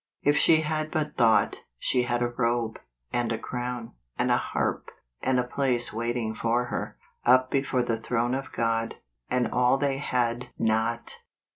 If she had but thought, she had a robe, and a crown, and a harp, and a place wait¬ ing for her, up before the throne of God; and all they had not.